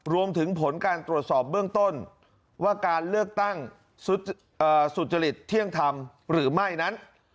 รวมถึงผลการตรวจสอบเบื้องต้นว่าการเลือกตั้งสุจริตเที่ยงธรรมหรือไม่นั้น